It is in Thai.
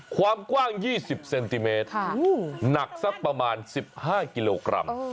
ความกว้าง๒๐เซนติเมตรหนักสักประมาณ๑๕กิโลกรัม